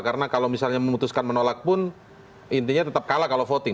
karena kalau misalnya memutuskan menolak pun intinya tetap kalah kalau voting